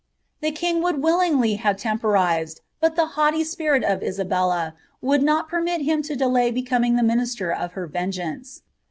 The king would willingly have temporized, but Uie haopiv Rpirii of Isabella would not permit him to delay becoming Out iniiiwMl of her vengeance.